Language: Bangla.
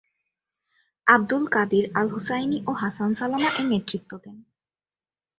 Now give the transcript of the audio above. আবদুল কাদির আল-হুসাইনি ও হাসান সালামা এর নেতৃত্ব দেন।